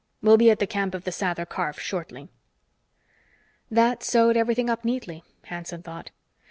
We'll be at the camp of the Sather Karf shortly." That sewed everything up neatly, Hanson thought.